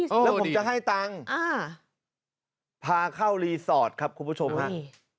แล้วผมจะให้ตังค์อ่าพาเข้ารีสอร์ทครับคุณผู้ชมฮะ